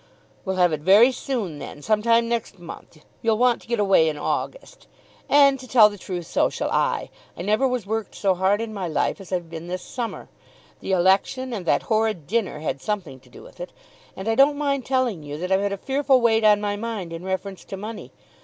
"We'll have it very soon then; some time next month. You'll want to get away in August. And to tell the truth so shall I. I never was worked so hard in my life as I've been this summer. The election and that horrid dinner had something to do with it. And I don't mind telling you that I've had a fearful weight on my mind in reference to money.